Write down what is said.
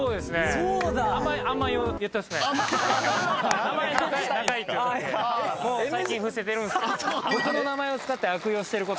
もう最近、伏せているんですよ。